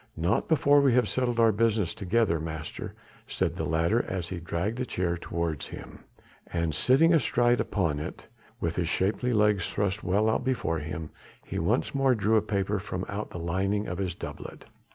"Not before we have settled our business together, master," said the latter as he dragged a chair towards him, and sitting astride upon it, with his shapely legs thrust well out before him, he once more drew a paper from out the lining of his doublet.